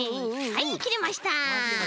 はいきれました。